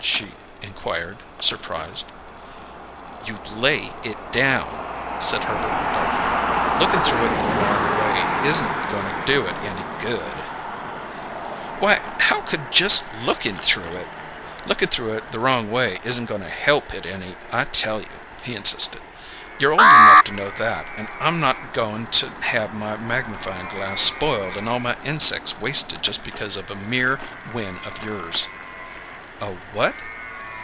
she inquired, surprised. "You lay it down," said Herbert darkly. "Lookin' through it the wrong way isn't going to do it any good." "Why, how could just lookin' through it " "Lookin' through it the wrong way isn't goin' to help it any, I tell you!" he insisted. "You're old enough to know that, and I'm not goin' to have my magnifying glass spoiled and all my insecks wasted just because of a mere whin of yours!" "A what?"